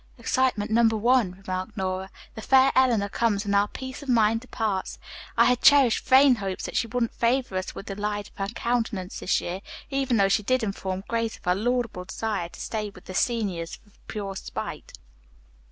"Excitement number one," remarked Nora. "The fair Eleanor comes and our peace of mind departs. I had cherished vain hopes that she wouldn't favor us with the light of her countenance this year, even though she did inform Grace of her laudable desire to stay with the seniors for pure spite."